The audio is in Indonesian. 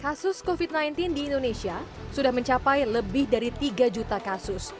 kasus covid sembilan belas di indonesia sudah mencapai lebih dari tiga juta kasus